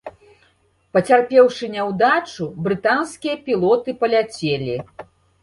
Пацярпеўшы няўдачу, брытанскія пілоты паляцелі.